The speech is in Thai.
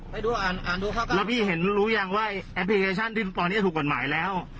ไม่รู้ยังว่าแอปพลิเคชันที่ตอนนี้ถูกกฎหมายแล้ว